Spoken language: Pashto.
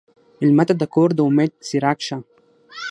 مېلمه ته د کور د امید څراغ شه.